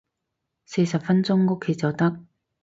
四十分鐘屋企就得